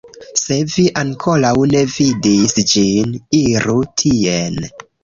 Se vi ankoraŭ ne vidis ĝin, iru tien